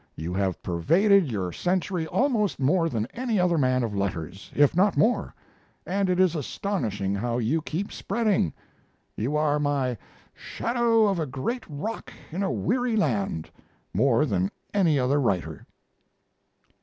You have pervaded your century almost more than any other man of letters, if not more; and it is astonishing how you keep spreading.... You are my "shadow of a great rock in a weary land" more than any other writer.